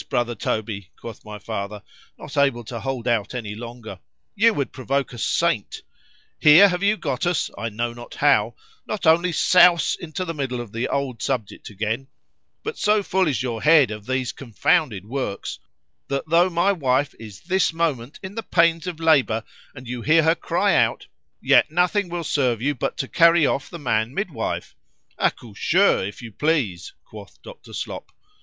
——brother Toby, quoth my father, not able to hold out any longer,——you would provoke a saint;——here have you got us, I know not how, not only souse into the middle of the old subject again:—But so full is your head of these confounded works, that though my wife is this moment in the pains of labour, and you hear her cry out, yet nothing will serve you but to carry off the man midwife.——Accoucheur,—if you please, quoth Dr. _Slop.